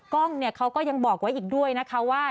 กล้องเนี่ยเขาก็ยังบอกไว้อีกด้วยนะคะว่า